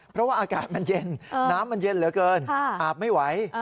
เพราะว่าอากาศมันเย็นน้ำมันเย็นเหลือเกินอาบไม่ไหว